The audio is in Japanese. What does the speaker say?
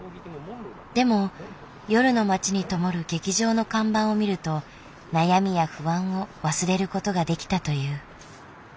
でも夜の街にともる劇場の看板を見ると悩みや不安を忘れることができたという。